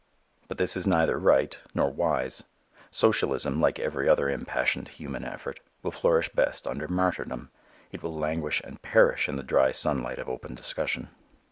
But this is neither right nor wise. Socialism, like every other impassioned human effort, will flourish best under martyrdom. It will languish and perish in the dry sunlight of open discussion.